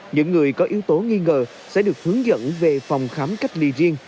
những người có yếu tố nghi ngờ sẽ được hướng dẫn về phòng khám cách ly riêng